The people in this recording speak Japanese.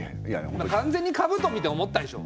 完全にかぶと見て思ったでしょ？